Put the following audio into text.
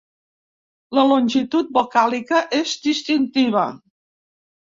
La longitud vocàlica és distintiva.